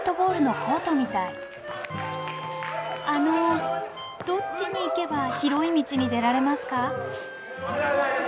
あのどっちに行けば広い道に出られますか？